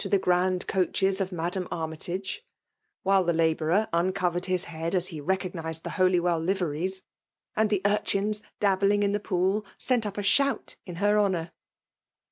the '' grand coaches of Madam Armytage ; whil^ tthe labourer uncovered his head ashexecog nized the Holywell liveries^ and the urohiiis dabbling in the pool sent up a shout in b^ honour.